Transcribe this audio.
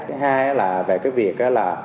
cái hai là về cái việc là